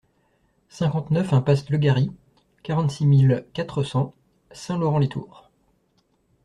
cinquante-neuf impasse le Gary, quarante-six mille quatre cents Saint-Laurent-les-Tours